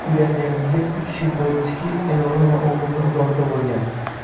Uylanganimga uch yil boʻlibdiki, ayolim va oʻgʻlimdan uzoqda boʻlgan